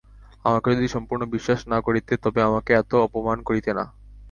আমাকে যদি সম্পূর্ণ বিশ্বাস না করিতে, তবে আমাকে এত অপমানকরিতে না।